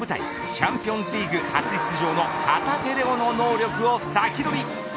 チャンピオンズリーグ初出場の旗手怜央の能力を先取り。